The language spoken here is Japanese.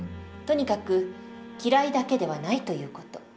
とにかく「嫌い」だけではないという事。